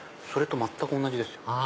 それと全く同じですよ。